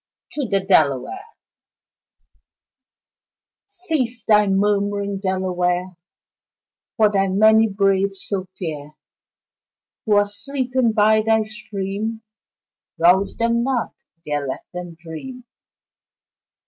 To the Delaware Cease thy murmuring, Delaware, For thy many braves so fair Who are sleeping by thy stream Rouse them not there let them dream.